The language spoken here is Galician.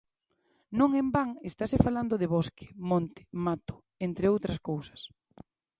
Non en van estase falando de bosque, monte, mato, entre outras cousas.